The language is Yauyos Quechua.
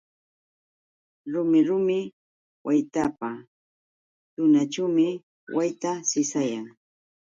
Rumi rumi waqtapa tunaćhuumi wayta sisayan.